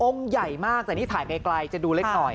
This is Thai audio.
องค์ใหญ่มากแต่นี่ถ่ายใกล้จะดูเล็ก